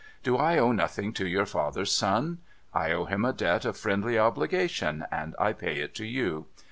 Do I owe nothing to your father's son ? I owe him a debt of friendly obligation, and I pay it to you.